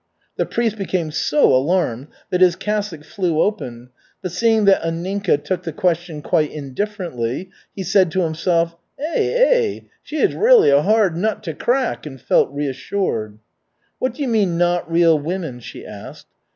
The priest became so alarmed that his cassock flew open; but seeing that Anninka took the question quite indifferently, he said to himself, "Eh eh she is really a hard nut to crack," and felt reassured. "What do you mean 'not real women?'" she asked.